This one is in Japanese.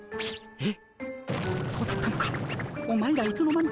えっ？